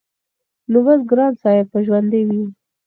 نو بس ګران صاحب به ژوندی وي-